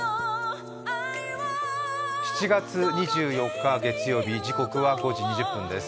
７月２４日月曜日、時刻は５時２０分です